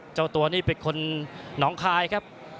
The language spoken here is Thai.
เจ้าตัวนี่เป็นคนหนองคายครับ